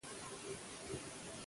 سکوت د طلا په څیر دی.